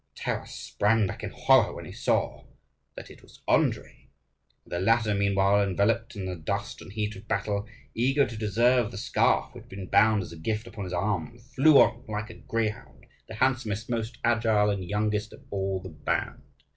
Taras sprang back in horror when he saw that it was Andrii. And the latter meanwhile, enveloped in the dust and heat of battle, eager to deserve the scarf which had been bound as a gift upon his arm, flew on like a greyhound; the handsomest, most agile, and youngest of all the band.